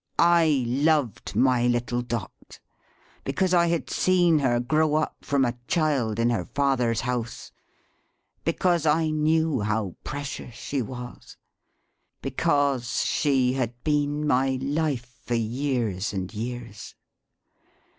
I loved my little Dot, because I had seen her grow up, from a child, in her father's house; because I knew how precious she was; because she had been my Life, for years and years.